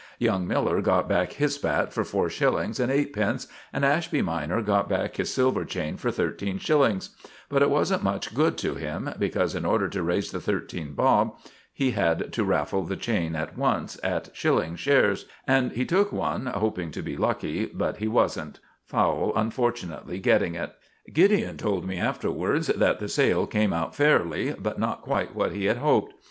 Young Miller got back his bat for four shillings and eightpence; and Ashby minor got back his silver chain for thirteen shillings; but it wasn't much good to him, because, in order to raise the thirteen bob, he had to raffle the chain at once, at shilling shares; and he took one, hoping to be lucky, but he wasn't, Fowle unfortunately getting it. Gideon told me afterwards that the sale came out fairly, but not quite what he had hoped.